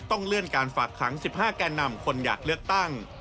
เลื่อนการฝากขัง๑๕แก่นำคนอยากเลือกตั้ง